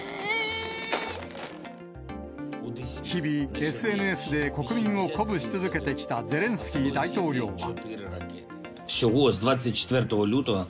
日々、ＳＮＳで国民を鼓舞し続けてきたゼレンスキー大統領は。